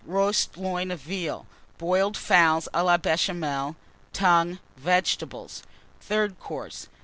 Roast Loin of Veal. Boiled Fowls à la Béchamel. Tongue. Vegetables. THIRD COURSE.